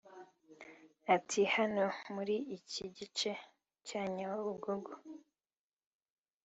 Ati « hano muri iki gice cya Nyabugogo